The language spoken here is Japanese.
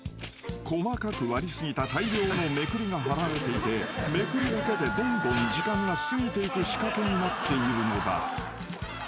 ［細かく割り過ぎた大量のめくりが貼られていてめくるだけでどんどん時間が過ぎていく仕掛けになっているのだ］